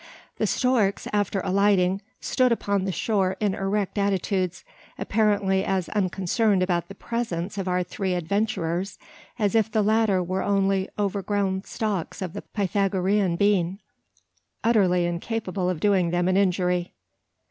The storks, after alighting, stood upon the shore in erect attitudes apparently as unconcerned about the presence of our three adventurers, as if the latter were only overgrown stalks of the Pythagorean bean utterly incapable of doing them an injury.